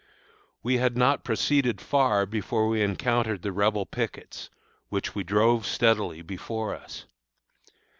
We had not proceeded far before we encountered the Rebel pickets, which we drove steadily before us.